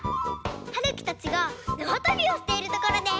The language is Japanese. はるきたちがなわとびをしているところです。